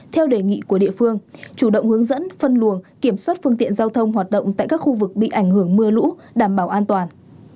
theo đề nghị của địa phương chủ động hướng dẫn phân luồng kiểm soát phương tiện giao thông hoạt động tại các khu vực bị ảnh hưởng mưa lũ đảm bảo an toàn